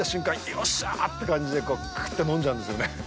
よっしゃーって感じでクーっと飲んじゃうんですよね。